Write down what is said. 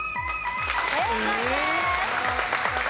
正解です。